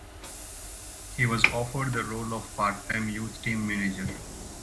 He was offered the role of part-time youth team manager.